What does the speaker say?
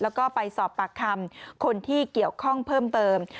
แล้วก็ไปสอบปากคำคนที่เกี่ยวข้องเพิ่มเติม